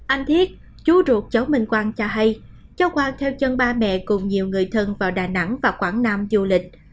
anh thiết chú ruột cháu minh quang cho hay cháu quang theo chân ba mẹ cùng nhiều người thân vào đà nẵng và quảng nam du lịch